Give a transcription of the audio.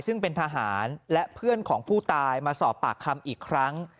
ซึ่งเป็นทหารและเพื่อนของผู้ตายมาสอบปากคำอีกครั้ง